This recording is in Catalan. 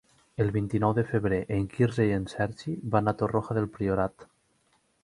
El vint-i-nou de febrer en Quirze i en Sergi van a Torroja del Priorat.